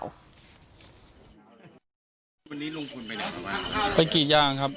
วันนี้ลุงพลไปไหนครับ